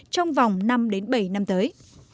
trong vòng năm bảy năm tới